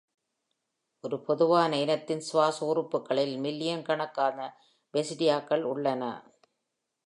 ஒரு பொதுவான இனத்தின் சுவாச உறுப்புகளில் மில்லியன் கணக்கான basidia-க்கள் உள்ளன.